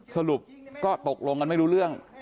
สรุปก็ตกลงกันไม่รู้เรื่อง